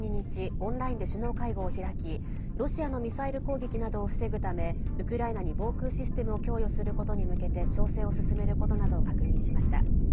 オンラインで首脳会合を開きロシアのミサイル攻撃などを防ぐためウクライナに防空システムを供与することに向けて調整を進めることなどを確認しました。